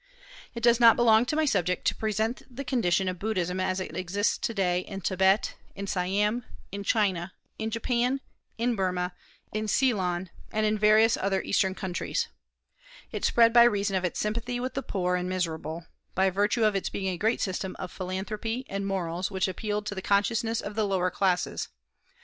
It does not belong to my subject to present the condition of Buddhism as it exists to day in Thibet, in Siam, in China, in Japan, in Burmah, in Ceylon, and in various other Eastern countries. It spread by reason of its sympathy with the poor and miserable, by virtue of its being a great system of philanthropy and morals which appealed to the consciousness of the lower classes.